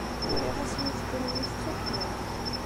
Uriɣ-as yiwet n tririt d tuḥdiqt.